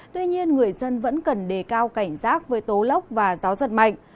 tuy nhiên người dân vẫn cần đề cao cảnh giác với tố lốc và gió giật mạnh